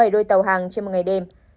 bảy đôi tàu hàng trên một ngày đêm